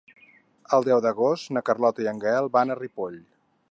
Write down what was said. El deu d'agost na Carlota i en Gaël van a Ripoll.